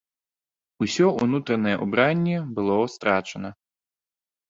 Усе ўнутранае ўбранне было страчана.